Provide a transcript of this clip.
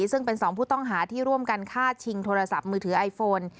ซึ่งเป็นสองผู้ต้องหาที่ร่วมกันฆ่าชิงโทรศัพท์มือถือไอโฟน